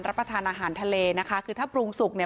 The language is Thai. รับประทานอาหารทะเลนะคะคือเดี่ยวปลูกสุกเนี้ย